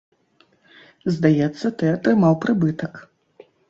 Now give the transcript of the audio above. Здаецца, ты атрымаў прыбытак.